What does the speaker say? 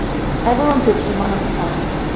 "Everyone Poops" does not have a plot.